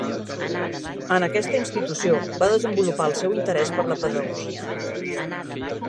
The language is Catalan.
En aquesta institució va desenvolupar el seu interès per la pedagogia.